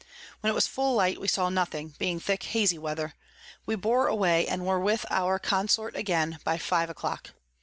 When it was full light we saw nothing, being thick hazy Weather: we bore away, and were with our Consort again by five a clock.